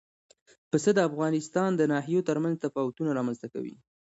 پسه د افغانستان د ناحیو ترمنځ تفاوتونه رامنځ ته کوي.